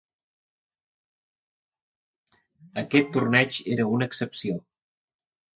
Aquest torneig era una excepció.